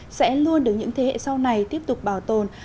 thực sự sẽ luôn được những thế hệ sau này tiếp tục bảo tồn